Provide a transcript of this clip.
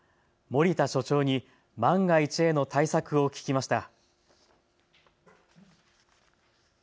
守田所長に万が一への対策を聞きました。